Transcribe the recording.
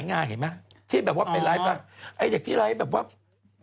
นอกจากนี้ยังมีข้อมูลเล็กน้อยนะมาพิจารณาบอกว่าตอนนี้